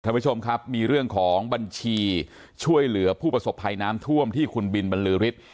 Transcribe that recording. ท่านผู้ชมครับมีเรื่องของบัญชีช่วยเหลือผู้ประสบภัยน้ำท่วมที่คุณบินบรรลือฤทธิ์